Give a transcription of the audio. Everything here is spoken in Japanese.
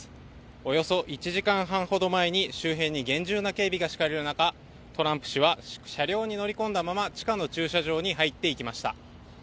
およそ１時間半ほど前に、周辺に厳重な警備が敷かれる中、トランプ氏は車両に乗り込んだまま地下の駐車場に入っていきました。